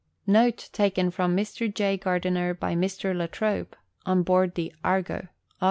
NOTE TAKEN FROM MR. J. GARDINER BY MR. LA TROBE, ON BOARD THE " ARGO," AUG.